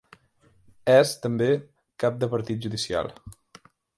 És, també, cap de partit judicial.